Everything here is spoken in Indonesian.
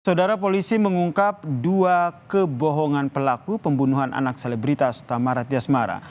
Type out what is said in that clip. saudara polisi mengungkap dua kebohongan pelaku pembunuhan anak selebritas tamarat diasmara